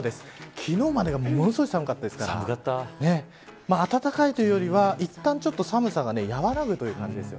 昨日までがものすごい寒かったですから暖かいというよりはいったん寒さが和らぐという感じです。